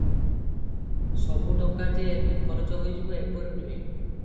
ସବୁ ଟଙ୍କା ଯେ ଏବେ ଖରଚ ହୋଇଯିବ; ଏପରି ନୁହେଁ ।